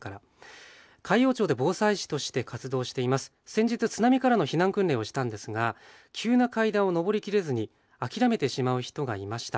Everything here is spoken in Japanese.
先日津波からの避難訓練をしたんですが急な階段を上りきれずに諦めてしまう人がいました。